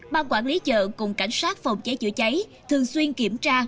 ban quản lý chợ cùng cảnh sát phòng cháy chữa cháy thường xuyên kiểm tra